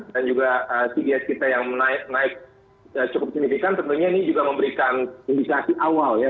dan juga cds kita yang naik cukup signifikan tentunya ini juga memberikan indikasi awal ya